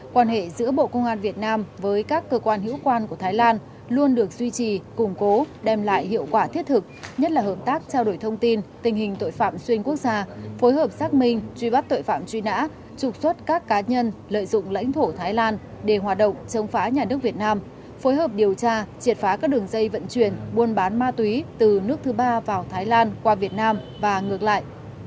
quan hệ giữa bộ công an việt nam với các cơ quan hữu quan của thái lan luôn được duy trì củng cố đem lại hiệu quả thiết thực nhất là hợp tác trao đổi thông tin tình hình tội phạm xuyên quốc gia phối hợp xác minh truy bắt tội phạm truy nã trục xuất các cá nhân lợi dụng lãnh thổ thái lan để hoạt động chống phá nhà nước việt nam phối hợp điều tra triệt phá các đường dây vận chuyển buôn bán ma túy từ nước thứ ba vào thái lan qua việt nam và ngược lại